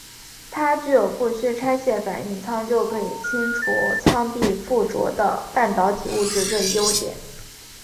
它具有不需拆卸反应舱就可以清除舱壁附着的半导体物质这一优点。